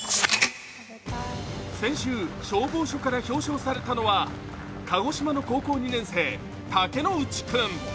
先週、消防署から表彰されたのは鹿児島の高校２年生、竹之内君。